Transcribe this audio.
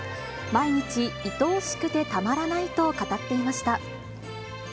毎日、いとおしくてたまらないと語っていました。